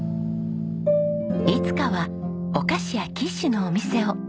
いつかはお菓子やキッシュのお店を。